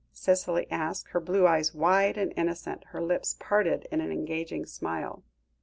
Cicely asked, her blue eyes wide and innocent, her lips parted in an engaging smile.